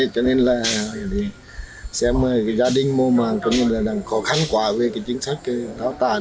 cho nên là xem gia đình mô màng có khó khăn quả về chính sách táo tả